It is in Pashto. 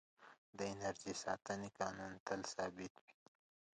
د انرژۍ ساتنې قانون تل ثابت وي.